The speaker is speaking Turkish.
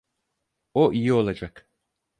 O iyi olacak.